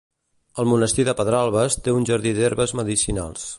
El monestir de Pedralbes té un jardí d'herbes medicinals.